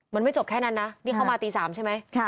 มันไม่จบแค่นั้นนะนี่เข้ามาตี๓ใช่ไหม